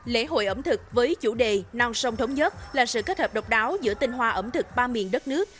lễ hội ẩm thực với chủ đề non sông thống nhất là sự kết hợp độc đáo giữa tinh hoa ẩm thực ba miền đất nước